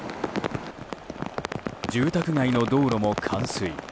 住宅街の道路も冠水。